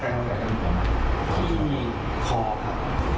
ความสำหรับกว่าสอบตัวประกอบ